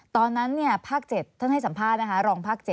ตอนนั้นภาค๗ท่านให้สัมภาษณ์รองภาค๗